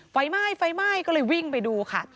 ไฟไหม้ก็เลยวิ่งไปดูค่ะ